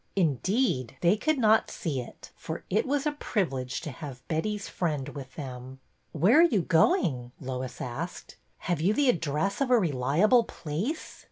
Indeed, they could not see it, for it was a privilege to have Betty's friend with them. '' Where are you going? " Lois asked. Have you the address of a reliable place